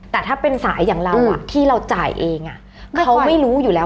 แต่ถ้าเป็นสายอย่างเราที่เราจ่ายเองเขาไม่รู้อยู่แล้ว